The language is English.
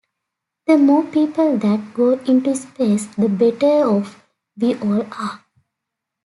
The more people that go into space, the better off we all are.